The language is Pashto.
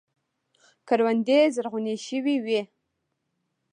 کروندې زرغونې شوې وې.